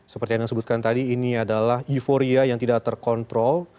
seperti yang anda sebutkan tadi ini adalah euforia yang tidak terkontrol